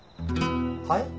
はい？